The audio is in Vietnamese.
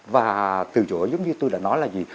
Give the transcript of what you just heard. và từ chỗ giống như tôi đã nói là gì